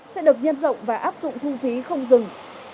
sẽ được nhân rộng và áp dụng thu phí không dừng